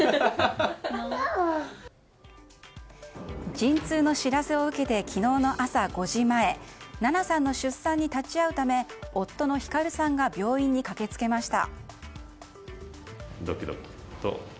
陣痛の知らせを受けて昨日の朝５時前奈々さんの出産に立ち会うため夫の光さんが病院に駆けつけました。